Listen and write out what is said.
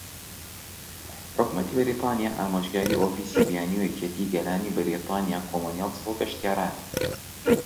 حکومەتی بەریتانیا، - ئامۆژگاری ئۆفیسی بیانی و یەکێتی گەلانی بەریتانیا کۆمونیڵس بۆ گەشتیاران